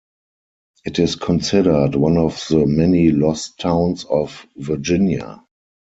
It is considered one of the many lost towns of Virginia.